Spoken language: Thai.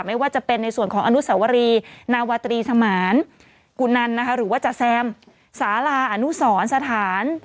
ไม่ว่าจะเป็นในส่วนของอนุสวรีนาวาตรีสมานกุนันนะคะหรือว่าจาแซมสาราอนุสรสถาน